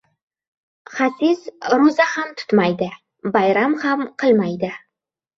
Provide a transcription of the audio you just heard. • Xasis ro‘za ham tutmaydi, bayram ham qilmaydi.